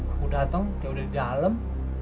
aku datang kayak udah di dalam